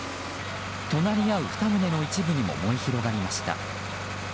隣り合う２棟の一部にも燃え広がりました。